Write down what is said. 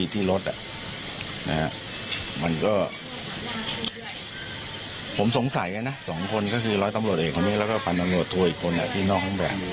ที่รถมันก็ผมสงสัยนะสองคนก็คือร้อยตำรวจเอกแล้วก็พันตำรวจทัวร์อีกคนที่นอกของแบบ